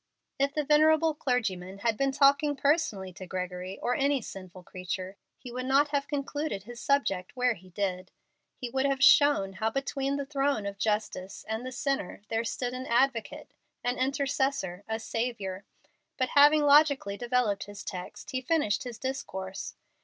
If the venerable clergyman had been talking personally to Gregory or any sinful creature, he would not have concluded his subject where he did. He would have shown how between the throne of justice and the sinner there stood an Advocate, an Intercessor, a Saviour. But having logically developed his text, he finished his discourse.